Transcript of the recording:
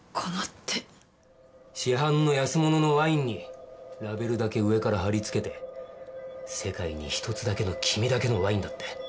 市販の安物のワインにラベルだけ上から貼りつけて世界に一つだけの君だけのワインだって。